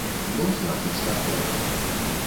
Ну, значыць так трэба.